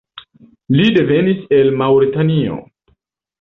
Li devenis el Maŭritanio.